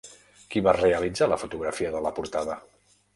Qui va realitzar la fotografia de la portada?